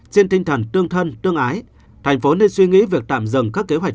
trên tinh thần tương thân tương ái tp hcm nên suy nghĩ việc tạm dừng các kế hoạch